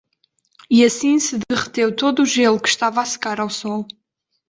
e assim se derreteu todo o gelo que estava a secar ao sol